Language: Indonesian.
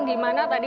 di mana tadi